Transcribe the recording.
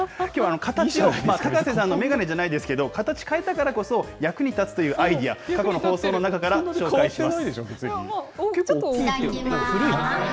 高瀬さんの眼鏡じゃないですけど、形を変えたからこそ、役に立つというアイデア、過去の放送の中から紹介します。